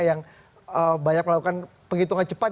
yang banyak melakukan penghitungan cepat